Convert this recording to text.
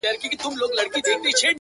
ستا د پښې پايزيب مي تخنوي گلي ـ